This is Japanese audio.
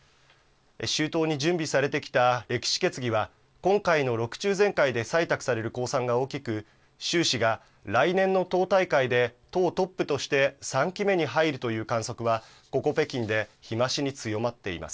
周到に準備されてきた歴史決議は、今回の６中全会で採択される公算が大きく、習氏が来年の党大会で党トップとして３期目に入るという観測は、ここ北京で日増しに強まっています。